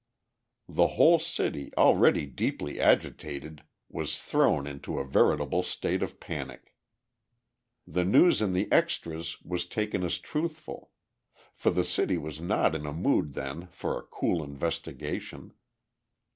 The whole city, already deeply agitated, was thrown into a veritable state of panic. The news in the extras was taken as truthful; for the city was not in a mood then for cool investigation.